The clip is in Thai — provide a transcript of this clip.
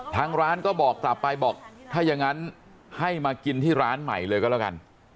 ทางร้านก็บอกกลับไปบอกถ้าอย่างนั้นให้มากินที่ร้านใหม่เลยก็แล้วกัน